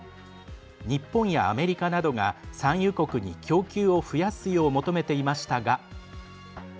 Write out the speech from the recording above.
日本やアメリカなどが産油国に供給を増やすよう求めていましたが。